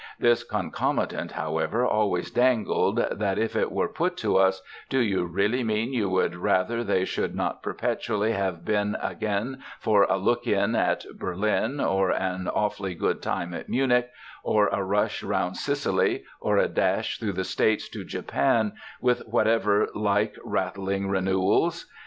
This concomitant, however, always dangled, that if it were put to us, "Do you really mean you would rather they should not perpetually have been again for a look in at Berlin, or an awfully good time at Munich, or a rush round Sicily, or a dash through the States to Japan, with whatever like rattling renewals?"